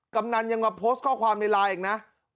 กำนันยังมาโพสต์ข้อความในไลน์อีกนะ